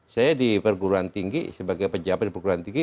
saya di perguruan tinggi sebagai pejabat di perguruan tinggi